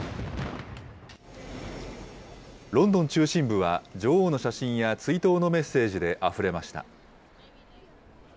ロンドン中心部は、女王の写真や追悼のメッセージであふれました。